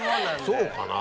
そうかな？